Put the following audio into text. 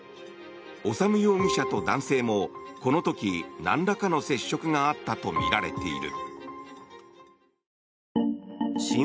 修容疑者と男性もこの時、なんらかの接触があったとみられている。